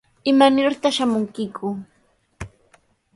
¿Imanirtaq shamunkiku?